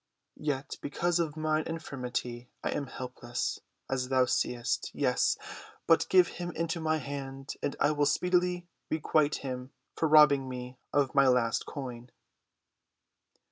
Yet because of mine infirmity—I am helpless, as thou seest—yes, but give him into my hand and I will speedily requite him for robbing me of my last coin."